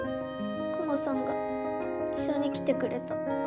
クマさんが一緒に来てくれた。